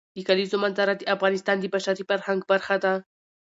د کلیزو منظره د افغانستان د بشري فرهنګ برخه ده.